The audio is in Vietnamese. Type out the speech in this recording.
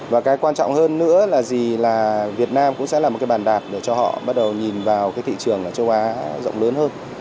và cái quan trọng hơn nữa là gì là việt nam cũng sẽ là một cái bàn đạp để cho họ bắt đầu nhìn vào cái thị trường ở châu á rộng lớn hơn